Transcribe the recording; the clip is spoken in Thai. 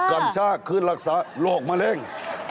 กัญชาคือรักษาโรคมะเร็ง